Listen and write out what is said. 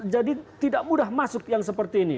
jadi tidak mudah masuk yang seperti ini